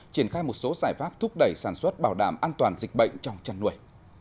triển khai một số giải pháp thúc đẩy sản xuất bảo đảm an toàn dịch bệnh trong chăn nuôi